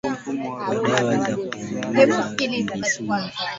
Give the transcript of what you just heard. kwa dawa za kuua vijisumu